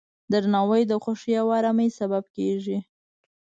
درناوی د خوښۍ او ارامۍ سبب کېږي.